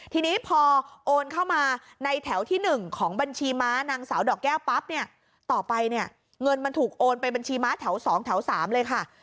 ทีนี้พอโอนเข้ามาในแถวที่๑ของบัญชีม้านางสาวดอกแก้วปั๊บเนี่ยต่อไปเนี่ยเงินมันถูกโอนไปบัญชีม้าแถว๒แถว๓เลยค่ะ